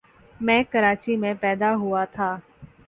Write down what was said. میں کراچی میں پیدا ہوا تھا۔